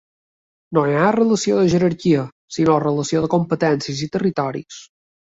No hi ha relació de jerarquia, sinó relació de competències i territoris.